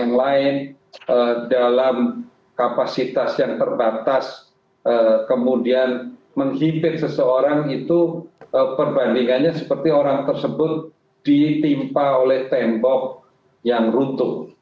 yang lain dalam kapasitas yang terbatas kemudian menghimpit seseorang itu perbandingannya seperti orang tersebut ditimpa oleh tembok yang runtuh